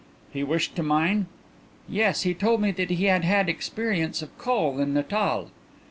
"He wished to mine?" "Yes. He told me that he had had experience of coal in Natal."